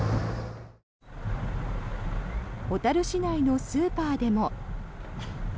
小樽市内のスーパーでも。